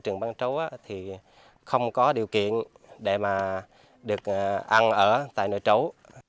trường bán chú không có điều kiện để mà được ăn ở tại nơi chú